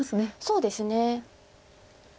そうですね。